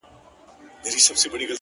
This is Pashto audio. o غنمرنگو کي سوالگري پيدا کيږي؛